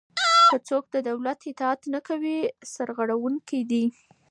که څوک د دولت اطاعت نه کوي سرغړونکی دی.